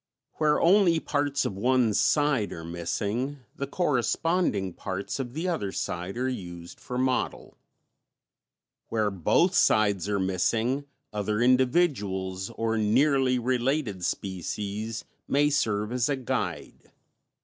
Where only parts of one side are missing the corresponding parts of the other side are used for model; where both sides are missing, other individuals or nearly related species may serve as a guide.